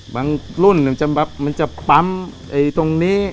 รุ่นมันจะปั๊มตรงนี้